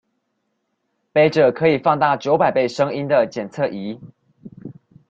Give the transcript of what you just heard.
揹著可以放大九百倍聲音的檢測儀